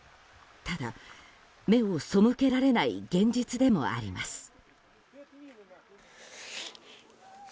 ただ、目を背けられない現実でもあります。